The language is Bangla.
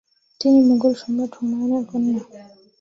তিনি মোগল সম্রাট হুমায়ুনের কন্যা।